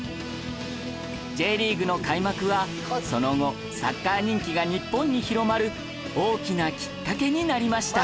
Ｊ リーグの開幕はその後サッカー人気が日本に広まる大きなきっかけになりました